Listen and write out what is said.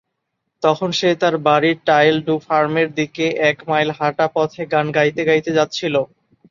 তখন সে তার বাড়ির টাইল-ডু ফার্মের দিকে এক মাইল হাঁটা পথে গান গাইতে গাইতে যাচ্ছিল।